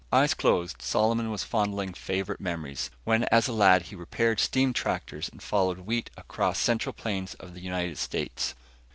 Eyes closed, Solomon was fondling favorite memories, when as a lad he repaired steam tractors and followed wheat across central plains of the United States.